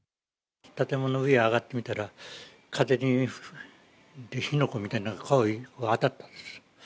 建物の上に上がってみたら、風で火の粉みたいなものが顔に当たったんですよ。